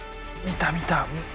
見た見た。